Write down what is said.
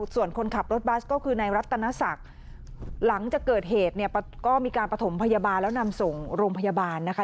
ส่วนคนขับรถบัสก็คือในรัตนศักดิ์หลังจากเกิดเหตุเนี่ยก็มีการประถมพยาบาลแล้วนำส่งโรงพยาบาลนะคะ